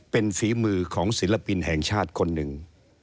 เป็นฝีมือของศิลปินแห่งชาติคนหนึ่ง